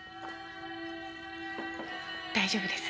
大丈夫です。